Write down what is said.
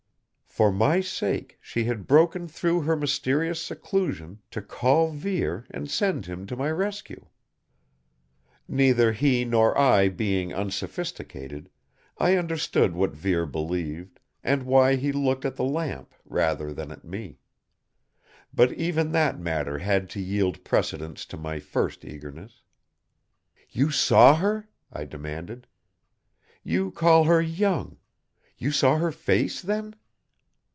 For my sake she had broken through her mysterious seclusion to call Vere and send him to my rescue. Neither he nor I being unsophisticated, I understood what Vere believed, and why he looked at the lamp rather than at me. But even that matter had to yield precedence to my first eagerness. "You saw her?" I demanded. "You call her young. You saw her face, then?"